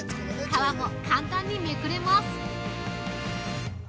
皮も簡単にめくれます。